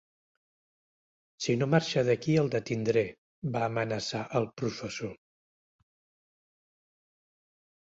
Si no marxa d’aquí, el detindré, va amenaçar al professor.